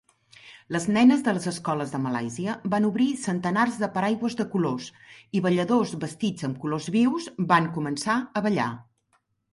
Les nenes de les escoles de Malàisia van obrir centenars de paraigües de colors i balladors vestits amb colors vius van començar a ballar.